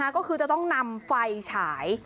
ก็คือจะต้องนำไฟฉาย